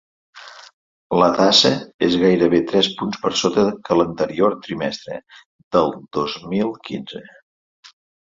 La tassa és gairebé tres punts per sota que l’anterior trimestre del dos mil quinze.